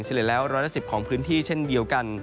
เฉลี่ยแล้ว๑๑๐ของพื้นที่เช่นเดียวกัน